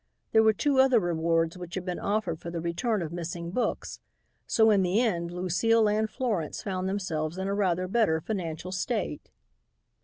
There were two other rewards which had been offered for the return of missing books, so in the end Lucile and Florence found themselves in a rather better financial state.